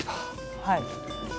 はい。